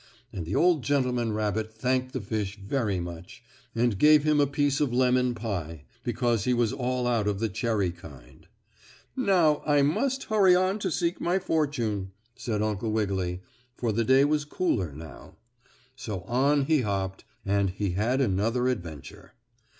And the old gentleman rabbit thanked the fish very much, and gave him a piece of lemon pie, because he was all out of the cherry kind. "Now, I must hurry on to seek my fortune," said Uncle Wiggily, for the day was cooler now. So on he hopped, and he had another adventure.